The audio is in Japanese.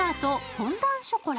フォンダンショコラ。